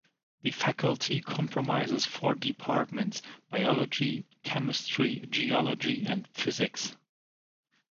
The faculty comprises four departments: Biology, Chemistry, Geology, and Physics.